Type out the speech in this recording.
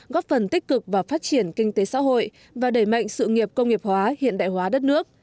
góp phần tích cực vào phát triển kinh tế xã hội và đẩy mạnh sự nghiệp công nghiệp hóa hiện đại hóa đất nước